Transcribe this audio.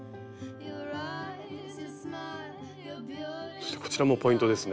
そしてこちらもポイントですね。